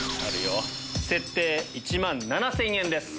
設定１万７０００円です。